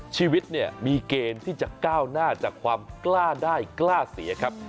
ชีวิตเนี่ยมีเกณฑ์ที่จะก้าวหน้าจากความกล้าได้กล้าเสียครับ